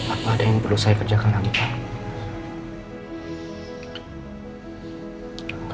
apa ada yang perlu saya kerjakan nanti pak